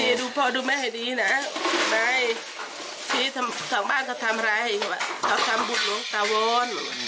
พี่ดูพ่อดูแม่ให้ดีนะพี่สั่งบ้านเขาทำอะไรเขาทำบุญลงตะวน